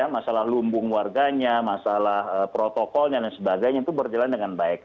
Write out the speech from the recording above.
masalah lumbung warganya masalah protokolnya dan sebagainya itu berjalan dengan baik